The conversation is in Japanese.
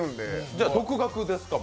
じゃあ、独学ですか？